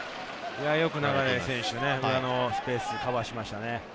よく流選手、スペースをカバーしましたね。